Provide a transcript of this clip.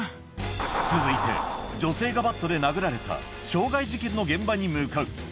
続いて女性がバットで殴られた傷害事件の現場に向かう。